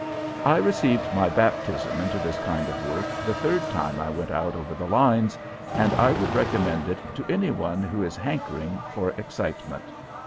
I received my baptism into this kind of work the third time I went out over the lines, and I would recommend it to any one who is hankering for excitement.